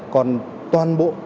còn toàn bộ